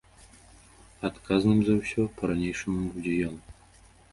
Адказным за ўсё па-ранейшаму будзе ён.